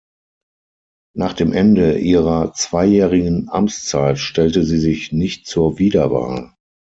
Nach dem Ende ihrer zweijährigen Amtszeit stellte sie sich nicht zur Wiederwahl.